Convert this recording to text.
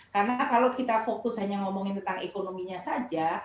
karena kalau kita fokus hanya ngomongin tentang ekonominya saja